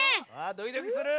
ドキドキする！